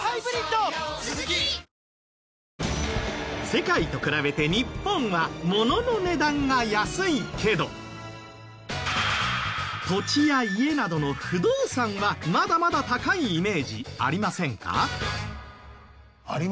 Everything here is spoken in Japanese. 世界と比べて日本は物の値段が安いけど土地や家などの不動産はまだまだ高いイメージありませんか？